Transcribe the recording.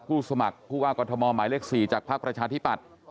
ผู้สมัครผู้ว่ากรรธมอธิบัติหมายเลข๔จากภาคประชาธิปัตธิ์